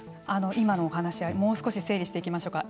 今のお話をもう少し整理していきましょうか。